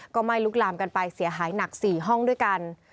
ก็ไหม้ลุกลามกันไปเสียหายหนัก๔ห้องด้วยกัน